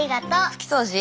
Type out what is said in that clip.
拭き掃除？